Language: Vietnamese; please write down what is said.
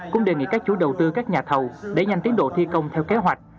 cũng đề nghị các chủ đầu tư các nhà thầu đẩy nhanh tiến độ thi công theo kế hoạch